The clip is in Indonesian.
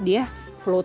tidak turus ya